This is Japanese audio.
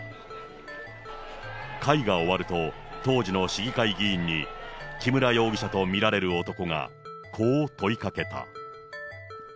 会が終わると、当時の市議会議員に、木村容疑者と見られる男がこう問いかけた。